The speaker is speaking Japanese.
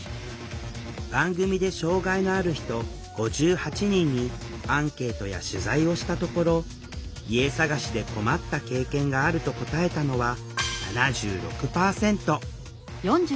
番組で障害のある人５８人にアンケートや取材をしたところ「家探しで困った経験がある」と答えたのは７６％！